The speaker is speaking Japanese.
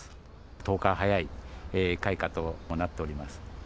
１０日早い開花となっております。